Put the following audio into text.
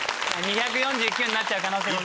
２４９になっちゃう可能性も。